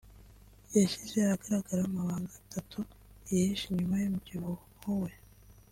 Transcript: yashyize ahagaragara amabanga atatu yihishe inyuma y’umubyibuho we